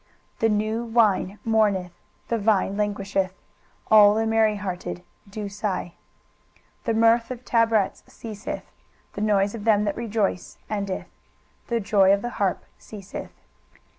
23:024:007 The new wine mourneth, the vine languisheth, all the merryhearted do sigh. 23:024:008 The mirth of tabrets ceaseth, the noise of them that rejoice endeth, the joy of the harp ceaseth.